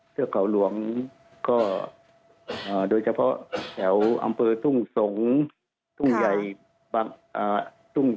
เทือกเขาหลวงก็โดยเฉพาะแถวอำเภอทุ่งสงเปล่